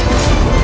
aku tidak mau